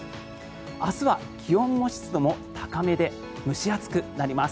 明日は気温も湿度も高めで蒸し暑くなります。